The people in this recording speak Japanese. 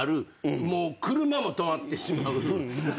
もう車も止まってしまう。